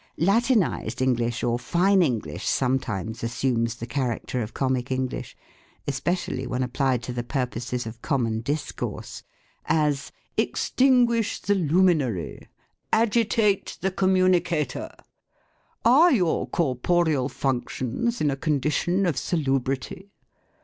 Latinised English, or Fine English, sometimes as sumes the character of Comic English, especially when applied to the purposes of common discourse ; ORTHOGKAPHY. 7 as " Extinguish the luminary," " Agitate the commu nicator," "Are your corporeal functions in a condition of salubrity?"